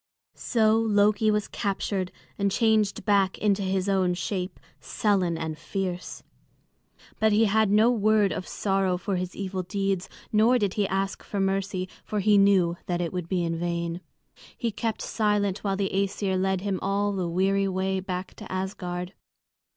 So Loki was captured and changed back into his own shape, sullen and fierce. But he had no word of sorrow for his evil deeds; nor did he ask for mercy, for he knew that it would be in vain. He kept silent while the Æsir led him all the weary way back to Asgard.